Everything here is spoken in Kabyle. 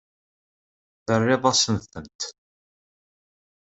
Terriḍ-asent-tent.